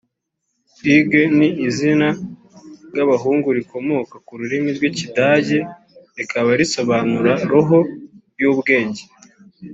Hugues ni izina ry’abahungu rikomoka ku rurimi rw’Ikidage rikaba risobanura “Roho y’ubwenge”